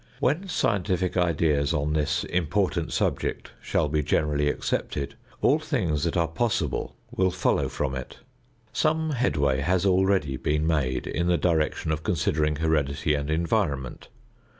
When scientific ideas on this important subject shall be generally accepted, all things that are possible will follow from it. Some headway has already been made in the direction of considering heredity and environment.